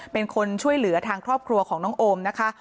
เป็นคนช่วยเหลือทางครอบครัวของน้องโอมนะคะ